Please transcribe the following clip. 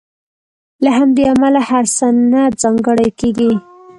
له همدې امله هر سند ځانګړی کېږي.